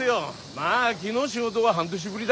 まあ木の仕事は半年ぶりだげどね。